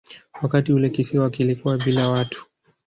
Wakati ule kisiwa kilikuwa bila watu.